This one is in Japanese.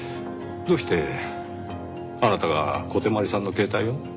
どうしてあなたが小手鞠さんの携帯を？